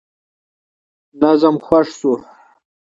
نظم خوښ شو.